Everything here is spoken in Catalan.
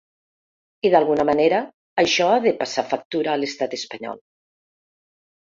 I d’alguna manera, això ha de passar factura a l’estat espanyol.